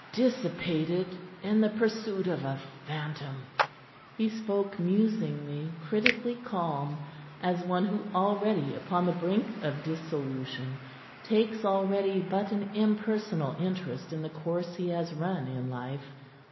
Dissipated in the pursuit of a phantom." He spoke musingly, critically calm, as one who already upon the brink of dissolution takes already but an impersonal interest in the course he has run in life.